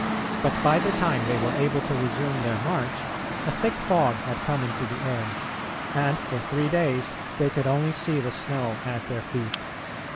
But by the time they were able to resume their march a thick fog had come into the air, and for three days they could only see the snow at their feet.